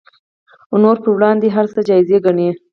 نورو پر وړاندې هر څه جایز ګڼي